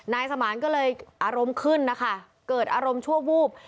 นายสมานก็เลยอารมณ์ขึ้นนะคะเกิดอารมณ์ชั่ววูบ